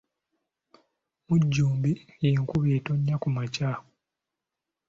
Mujumbi y'enkuba etonnya ku makya